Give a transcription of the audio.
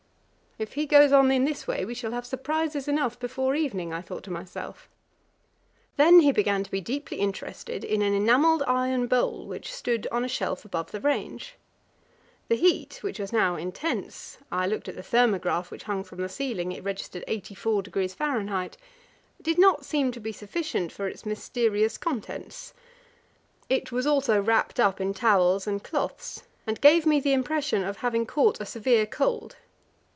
If he goes on in this way, we shall have surprises enough before evening, I thought to myself. Then he began to be deeply interested in an enamelled iron bowl, which stood on a shelf above the range. The heat, which was now intense (I looked at the thermograph which hung from the ceiling; it registered 84°F.), did not seem to be sufficient for its mysterious contents. It was also wrapped up in towels and cloths, and gave me the impression of having caught a severe cold.